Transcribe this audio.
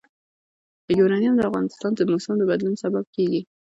یورانیم د افغانستان د موسم د بدلون سبب کېږي.